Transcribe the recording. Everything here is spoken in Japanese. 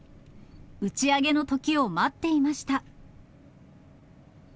打ち上げのときを待っていました。